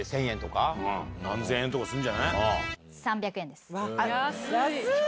何千円とかすんじゃない？